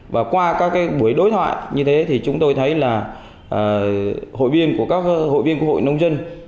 và qua các buổi đối thoại như thế chúng tôi thấy là hội viên của hội lông dân